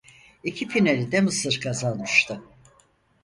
İki finali de Mısır kazanmıştı.